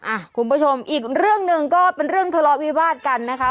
คุณผู้ชมอีกเรื่องหนึ่งก็เป็นเรื่องทะเลาะวิวาดกันนะคะ